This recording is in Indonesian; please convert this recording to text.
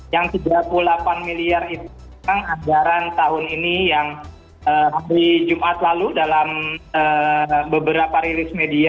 yang tiga puluh delapan miliar itu memang anggaran tahun ini yang hari jumat lalu dalam beberapa rilis media